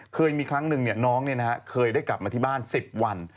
เคยมีครั้งหนึ่งน้องเคยได้กลับมาที่บ้าน๑๐วัน